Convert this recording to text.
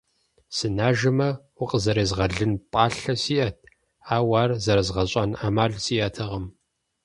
Сынажэмэ, укъызэрезгъэлын пӀалъэ сиӀэт, ауэ ар зэрызгъэзэщӏэн Ӏэмал сиӀэтэкъым.